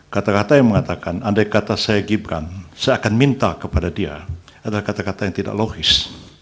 kata kata yang mengatakan andai kata saya gibran saya akan minta kepada dia adalah kata kata yang tidak logis